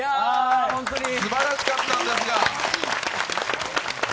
すばらしかったんですが。